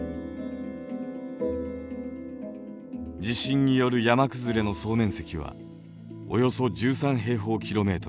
地震による山崩れの総面積はおよそ１３平方ｋｍ。